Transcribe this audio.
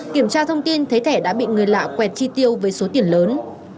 kiểm tra thông tin thấy thẻ đã bị người lạ quẹt chi tiêu với số tiền lớn